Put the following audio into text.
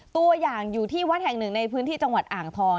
ตัวอย่างอยู่ที่วัดแห่งหนึ่งในพื้นที่จังหวัดอ่างทอง